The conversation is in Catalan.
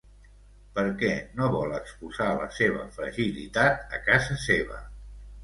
Per què no vol exposar la seva fragilitat a casa seva?